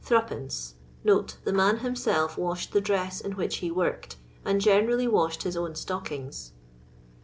8 [The man himself washed the dress in which he worked, and generally washed his own ftockings.